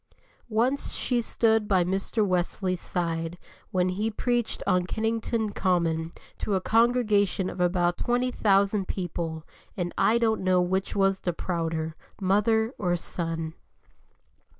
Once she stood by Mr. Wesley's side when he preached on Kennington Common to a congregation of about 20,000 people, and I don't know which was the prouder, mother or son.